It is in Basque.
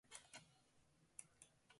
Nor da egoera honen arduraduna?